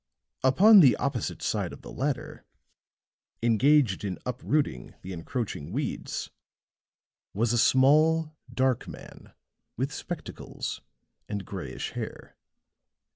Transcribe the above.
Upon the opposite side of the latter, engaged in uprooting the encroaching weeds, was a small, dark man with spectacles and grayish hair.